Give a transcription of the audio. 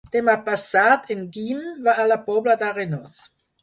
Demà passat en Guim va a la Pobla d'Arenós.